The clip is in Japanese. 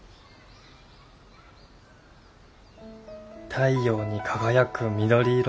太陽に輝く緑色。